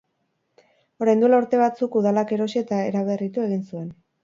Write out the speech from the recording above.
Orain dela urte batzuk, udalak erosi eta eraberritu egin zuen.